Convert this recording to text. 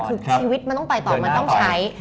คือชีวิตมันต้องไปต่อมันต้องใช้